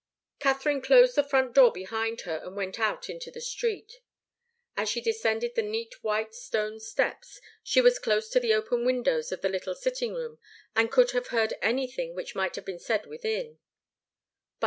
Katharine closed the front door behind her and went out into the street. As she descended the neat white stone steps she was close to the open windows of the little sitting room and could have heard anything which might have been said within.